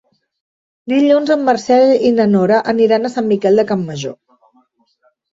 Dilluns en Marcel i na Nora aniran a Sant Miquel de Campmajor.